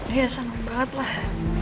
iya seneng banget lah